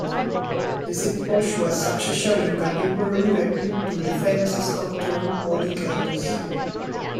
Lysippos was successor in contemporary repute to the famous sculptor Polykleitos.